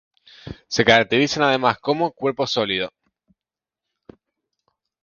Se caracterizan además como cuerpo sólido.